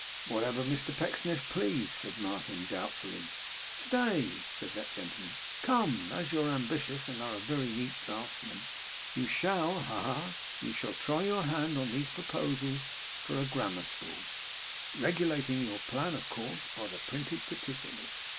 'Whatever Mr Pecksniff pleased,' said Martin, doubtfully. 'Stay,' said that gentleman. 'Come! as you're ambitious, and are a very neat draughtsman, you shall ha ha! you shall try your hand on these proposals for a grammar school; regulating your plan, of course, by the printed particulars.